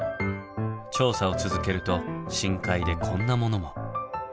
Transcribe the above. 調査を続けると深海でこんなものも。